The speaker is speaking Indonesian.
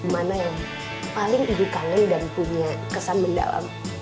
mana yang paling ibu kangen dan punya kesan mendalam